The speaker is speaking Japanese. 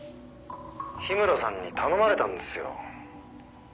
「樋村さんに頼まれたんですよ」